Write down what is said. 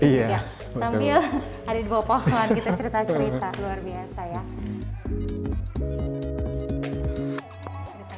jadi duduk di sini juga sambil ada di bawah pohon kita cerita cerita luar biasa ya